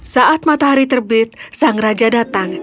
saat matahari terbit sang raja datang